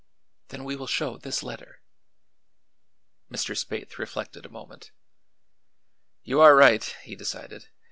"Then we will show this letter." Mr. Spaythe reflected a moment. "You are right," he decided.